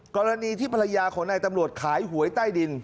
กรณีที่ภรรยาของนายตำรวจขายหวยใต้ดิน